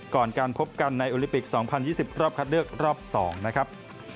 ก่อนการพบกันในโอลิปิก๒๐๒๐รอบคัดเลือกรอบ๒นะครับ